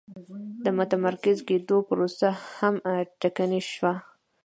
د متمرکز کېدو پروسه هم ټکنۍ شوه.